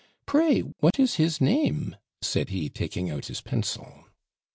pray, what is his name?' said he, taking out his pencil.